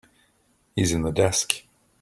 He's in the desk.